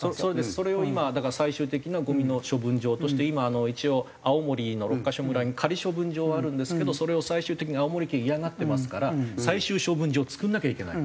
それを今だから最終的なゴミの処分場として今一応青森の六ヶ所村に仮処分場はあるんですけどそれを最終的に青森県嫌がってますから最終処分場を造らなきゃいけない。